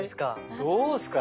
どうですか？